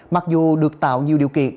mặc dù được tạo nhiều điều kiện